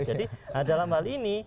jadi dalam hal ini